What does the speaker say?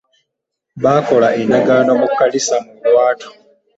Bakola endagaano mu Kkanisa mulwatu .